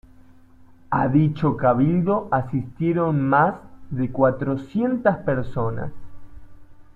A dicho cabildo asistieron más de cuatrocientas personas.